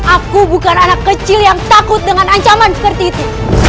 aku bukan anak kecil yang takut dengan ancaman seperti itu